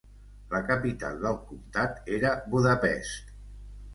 La capital del comptat era Budapest.